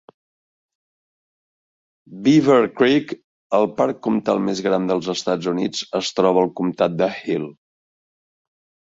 Beaver Creek, el parc comtal més gran dels Estats Units, es troba al comtat de Hill.